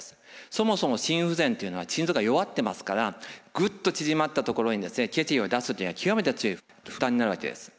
そもそも心不全というのは心臓が弱ってますからぐっと縮まったところに血液を出すというのは極めて強い負担になるわけです。